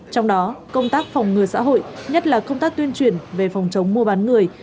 trong đó công tác phòng ngừa xã hội nhất là công tác tuyên truyền về phòng chống mua bán người